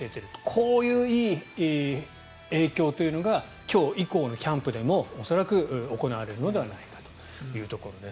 こういういい影響というのが今日以降のキャンプでも恐らく行われるのではないかというところです。